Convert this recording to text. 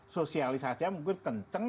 sosialisasi mungkin kenceng